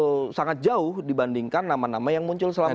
yang membuat pak ahok sangat jauh dibandingkan nama nama yang muncul selama ini